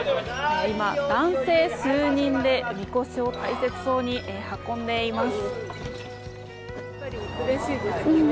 今、男性数人でみこしを大切そうに運んでいます。